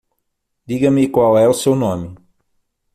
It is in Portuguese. Diga-me qual é o seu nome.